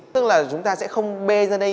tức là chúng ta sẽ không bê ra đây